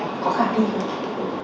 có khả năng không